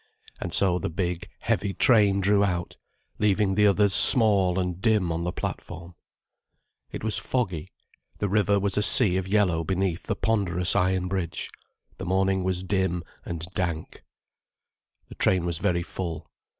And so the big, heavy train drew out, leaving the others small and dim on the platform. It was foggy, the river was a sea of yellow beneath the ponderous iron bridge. The morning was dim and dank. The train was very full.